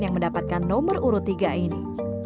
yang mendapatkan nomor urut tiga ini